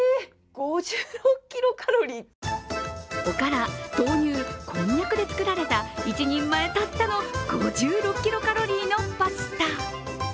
おから、豆乳、こんにゃくで作られた１人前たったの５６キロカロリーのパスタ。